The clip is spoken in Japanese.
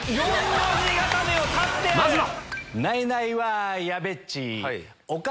まずは！